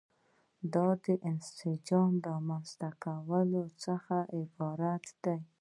دا د انسجام د رامنځته کولو څخه عبارت دي.